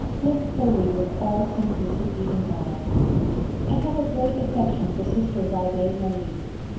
Live wholly with all simplicity in God. I have a great affection for Sister Barbe Marie.